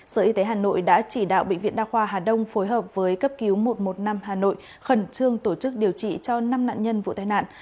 sở y tế hà nội đã chỉ đạo bệnh viện đa khoa hà đông phối hợp với cấp cứu một trăm một mươi năm hà nội khẩn trương tổ chức điều trị cho năm nạn nhân vụ tai nạn